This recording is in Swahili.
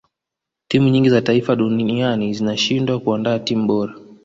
timu nyingi za taifa duninai zinashindwa kuandaa timu bora